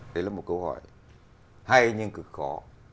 đấy là một câu hỏi hay nhưng cực khó